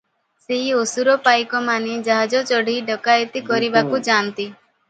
ସେଇ ଅସୁର ପାଇକମାନେ ଜାହାଜ ଚଢ଼ି ଡକାଏତି କରିବାକୁ ଯାନ୍ତି ।"